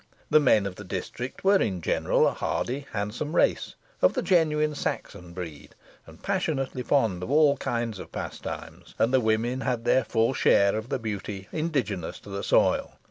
The men of the district were in general a hardy, handsome race, of the genuine Saxon breed, and passionately fond of all kinds of pastime, and the women had their full share of the beauty indigenous to the soil.